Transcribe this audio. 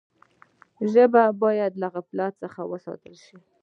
ژبه باید له غفلت څخه وساتل سي.